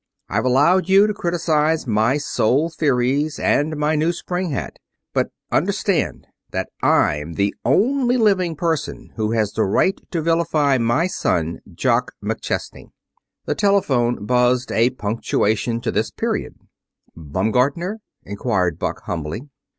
I've allowed you to criticise my soul theories, and my new spring hat. But understand that I'm the only living person who has the right to villify my son, Jock McChesney." The telephone buzzed a punctuation to this period. "Baumgartner?" inquired Buck humbly.